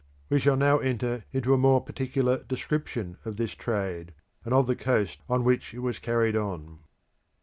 We shall now enter into a more particular description of this trade, and of the coast on which it was carried on.